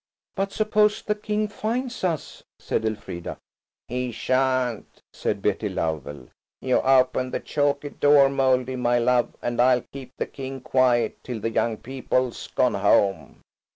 "But suppose the King finds us?" said Elfrida. "He shan't," said Betty Lovell. "You open the chalky door, Mouldy, my love, and I'll keep the King quiet till the young people's gone home."